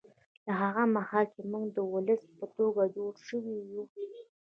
له هغه مهاله چې موږ د ولس په توګه جوړ شوي یو